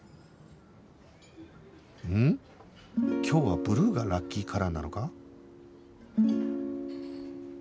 今日はブルーがラッキーカラーなのか？